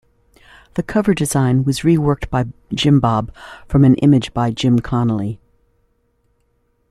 The cover design was re-worked by Jim Bob from an image by Jim Connolly.